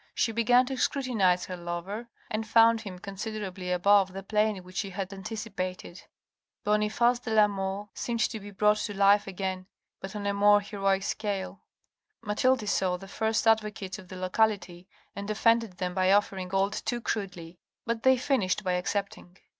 She began to scrutinize her lover, and found him considerably above the plane which she had anticipated. A POWERFUL MAN 479 Boniface de La Mole seemed to be brought to life again, but on a more heroic scale. Mathilde saw the first advocates of the locality, and offended them by offering gold too crudely, but they finished by accepting.